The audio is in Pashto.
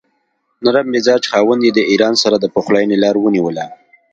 نرم مزاج خاوند یې د ایران سره د پخلاینې لاره ونیوله.